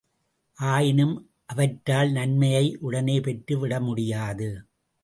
ஆயினும் அவற்றால் நன்மையை உடனே பெற்று விடமுடியாது.